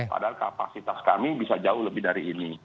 padahal kapasitas kami bisa jauh lebih dari ini